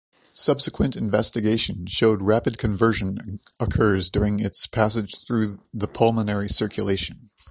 Subsequent investigation showed rapid conversion occurs during its passage through the pulmonary circulation.